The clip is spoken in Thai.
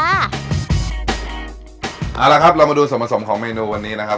เอาละครับเรามาดูส่วนผสมของเมนูวันนี้นะครับ